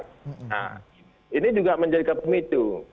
nah ini juga menjadikan pemicu